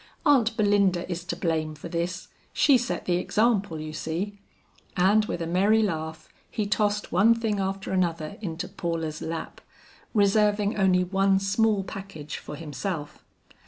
"Aunt Belinda is to blame for this; she set the example, you see." And with a merry laugh, he tossed one thing after another into Paula's lap, reserving only one small package for himself.